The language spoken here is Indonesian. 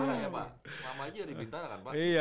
lama aja dari bintara kan pak iya